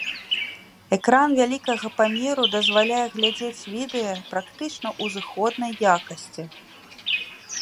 Экран вялікага памеру дазваляе глядзець відэа практычна ў зыходнай якасці.